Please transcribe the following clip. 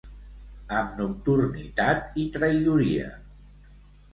Amb nocturnitat i traïdoria.